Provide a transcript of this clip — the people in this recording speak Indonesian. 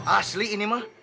asli ini mah